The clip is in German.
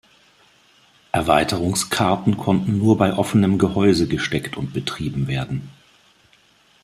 Erweiterungskarten konnten nur bei offenem Gehäuse gesteckt und betrieben werden.